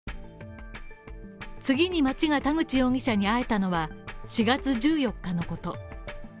次に町が田口容疑者に会えたのは４月１４日のこと。